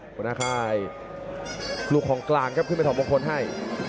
หัวหน้าค่ายลูกของกลางครับขึ้นไปถอดมงคลให้